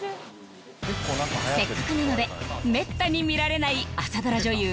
せっかくなのでめったに見られない朝ドラ女優